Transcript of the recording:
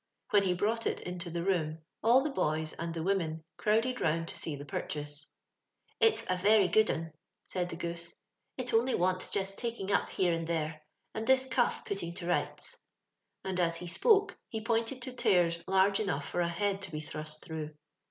When he brought it into the room, all the boys and the women crowded round to see the purchase. It's a very good un," said the Goose. " It only wants just taking up here and there ; and this caff putting to rights." And as he spoke he pointed to tears laxge enough for a head to be thrust through.